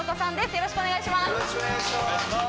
よろしくお願いします。